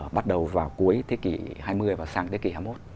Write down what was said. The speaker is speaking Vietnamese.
bắt đầu vào cuối thế kỷ hai mươi và sang thế kỷ hai mươi một